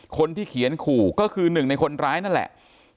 คนที่เขียนขู่ก็คือหนึ่งในคนร้ายนั่นแหละ